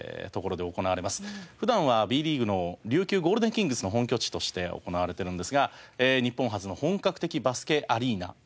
普段はＢリーグの琉球ゴールデンキングスの本拠地として行われてるんですが日本初の本格的バスケアリーナですね。